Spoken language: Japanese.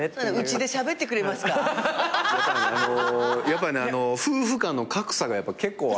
やっぱり夫婦間の格差が結構あって。